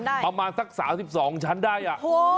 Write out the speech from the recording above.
นี่ก็สามารถใกล้สามสิบสองหนึ่งชั้นได้น่ะ